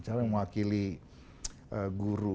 siapa yang mewakili guru